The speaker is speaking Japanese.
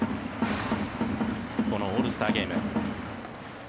このオールスターゲーム。